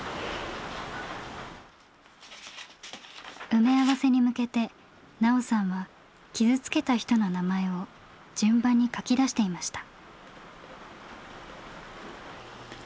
埋め合わせに向けてナオさんは傷つけた人の名前を順番に書き出していました。